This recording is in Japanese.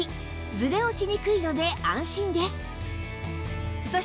ずれ落ちにくいので安心です